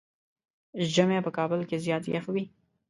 ژمی په کابل کې زيات يخ وي.